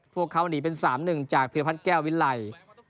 พวกเขาหนีเป็น๓๑จากพิรพัฒน์แก้ววิไล